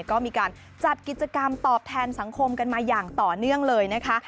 ก็มีการจัดกิจกรรมตอบแทนสังคมกันมาอย่างต่อเนื่องเลยนะคะ